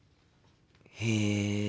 へえ。